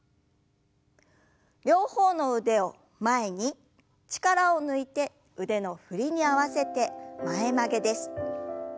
両方の腕を前に力を抜いて腕の振りに合わせて前曲げです。